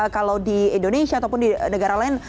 kalau di indonesia ataupun di negara lain